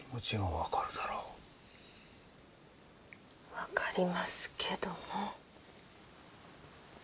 分かりますけども。